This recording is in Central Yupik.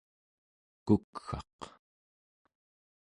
kukgaq